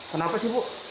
kenapa sih bu